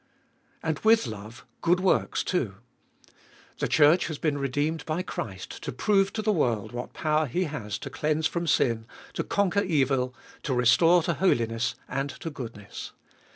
And with love good works too. The Church has been re deemed by Christ, to prove to the world what power He has to cleanse from sin, to conquer evil, to restore to holiness and to goodness.